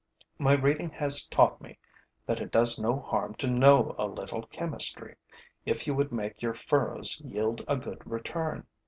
My reading has taught me that it does no harm to know a little chemistry, if you would make your furrows yield a good return.